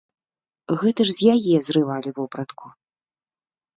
Гэта ж з яе зрывалі вопратку.